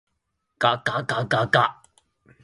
がががががが